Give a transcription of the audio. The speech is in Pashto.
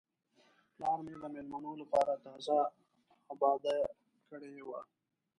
پلار مې د میلمنو لپاره تازه آباده کړې وه.